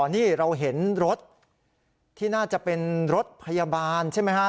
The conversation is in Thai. นี่เราเห็นรถที่น่าจะเป็นรถพยาบาลใช่ไหมฮะ